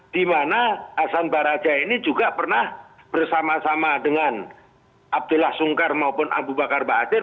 dimana hasan baraja ini juga pernah bersama sama dengan abdullah sungkar maupun abu bakar basir